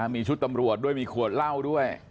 มีชุดตำรวจด้วยมีขวดเหล้าด้วย